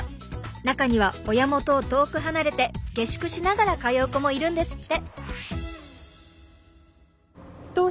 中には親元を遠く離れて下宿しながら通う子もいるんですって。